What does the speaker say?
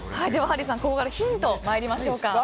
ハリーさん、ここからヒントを参りましょうか。